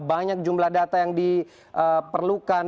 banyak jumlah data yang diperlukan